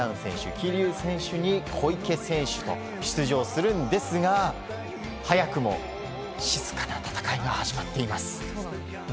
桐生選手に小池選手と出場するんですが早くも静かな戦いが始まっています。